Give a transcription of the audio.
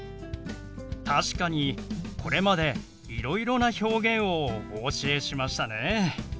確かにこれまでいろいろな表現をお教えしましたね。